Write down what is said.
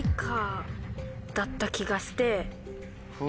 だった気がして。